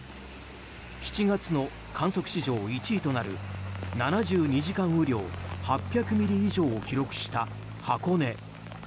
７月の観測史上１位となる７２時間雨量８００ミリ以上を記録した箱根。